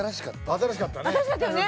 新しかったよね？